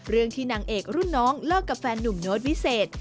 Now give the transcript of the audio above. เรื่องที่นางเอกรุ่นน้องเลิกกับแฟนหนุ่มโน้ตวิเศษ